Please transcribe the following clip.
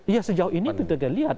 iya sejauh ini kita lihat